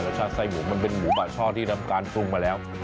ชาติไส้หมูมันเป็นหมูป่าช่อที่ทำการปรุงมาแล้ว